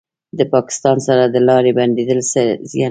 د پاکستان سره د لارې بندیدل څه زیان لري؟